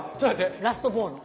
ラストボーノ。